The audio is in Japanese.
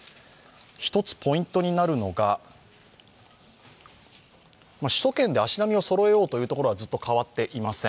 １つポイントになるのが、首都圏で足並みをそろえようというところはずっと変わっていません。